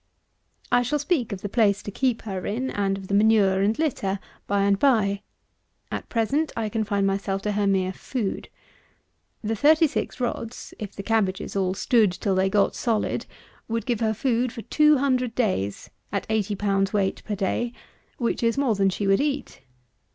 121. I shall speak of the place to keep her in, and of the manure and litter, by and by. At present I confine myself to her mere food. The 36 rods, if the cabbages all stood till they got solid, would give her food for 200 days, at 80 pounds weight per day, which is more than she would eat.